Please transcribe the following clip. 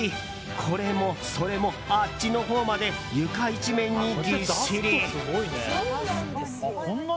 これもそれも、あっちのほうまで床一面にぎっしり。